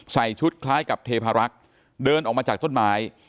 ชุดคล้ายกับเทพารักษ์เดินออกมาจากต้นไม้